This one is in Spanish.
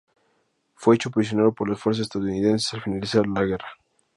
Fue hecho prisionero por las fuerzas estadounidenses al finalizar la guerra.